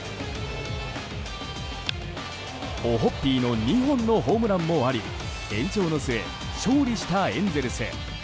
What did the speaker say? オホッピーの２本のホームランもあり延長の末、勝利したエンゼルス。